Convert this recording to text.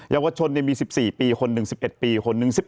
เยาวชนมี๑๔ปีคนหนึ่ง๑๑ปีคนหนึ่ง